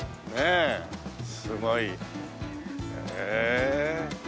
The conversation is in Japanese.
すごい。へえ。